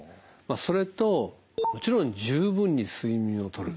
それともちろん十分に睡眠をとる。